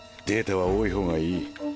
データは多いほうがいい。